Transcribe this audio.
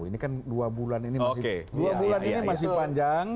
ini kan dua bulan ini masih panjang